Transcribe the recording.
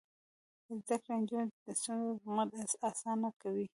زده کړه د نجونو د ستونزو زغمل اسانه کوي.